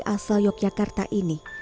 asal yogyakarta ini